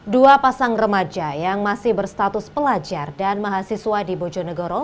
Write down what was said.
dua pasang remaja yang masih berstatus pelajar dan mahasiswa di bojonegoro